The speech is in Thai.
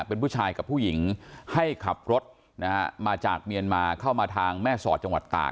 เป็นผู้ชายกับผู้หญิงให้ขับรถนะฮะมาจากเมียนมาเข้ามาทางแม่สอดจังหวัดตาก